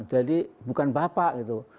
jadi bukan bapak gitu